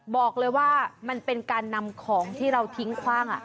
บอกเลยว่ามันเป็นการนำของที่เราทิ้งคว่าง